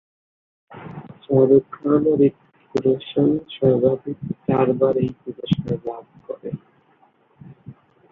শাহরুখ খান ও হৃতিক রোশন সর্বাধিক চারবার এই পুরস্কার লাভ করেন।